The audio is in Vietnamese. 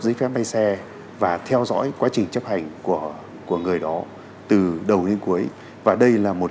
giấy phép bay xe và theo dõi quá trình chấp hành của người đó từ đầu đến cuối và đây là một